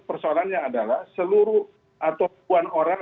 persoalannya adalah seluruh atau puan orang